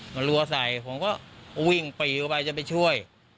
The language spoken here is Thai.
มันรัวใส่ผมก็วิ่งปรีเข้าไปจะไปช่วย